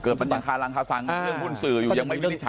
เกิดเป็นอย่างคาลังคาฟังเรื่องหุ้นสื่ออยู่ยังไม่ได้ใช้